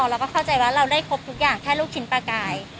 เราก็เข้าใจว่าเราได้ครบทุกอย่างแค่ลูกชิ้นปลากาย